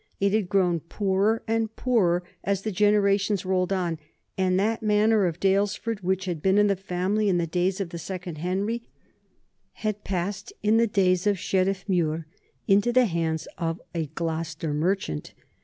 It had grown poorer and poorer as the generations rolled on, and that manor of Daylesford which had been in the family in the days of the second Henry had passed in the year of Sheriffmuir into the hands of a Gloucester merchant.